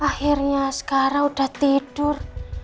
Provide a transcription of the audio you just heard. akhirnya sekarang udah tidur